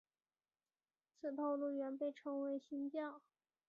此套路原被称为新架。